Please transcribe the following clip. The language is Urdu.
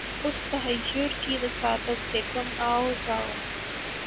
اُس تحیّر کی وساطت سے تُم آؤ جاؤ